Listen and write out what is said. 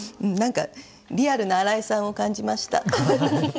何かリアルな新井さんを感じました。